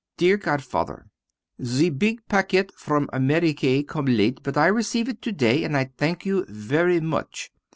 Dear Godfather: The big paquet from Amerique come late but I receive it to day and I thank you very much.